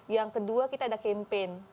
yang kedua kita ada campaign